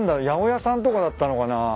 八百屋さんとかだったのかな？